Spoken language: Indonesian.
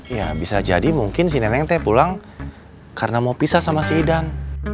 ya bisa jadi mungkin si nenek pulang karena mau pisah sama si idan